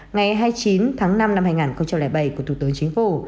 ngày hai mươi chín tháng năm năm hai nghìn bảy của thủ tướng chính phủ